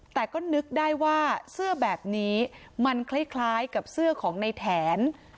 แต่ก็นึกได้ว่าเสื้อแบบนี้มันคล้ายกับเสื้อของในแถน